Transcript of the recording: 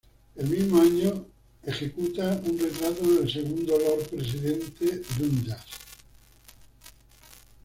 El mismo año ejecuta un retrato del segundo lord presidente Dundas.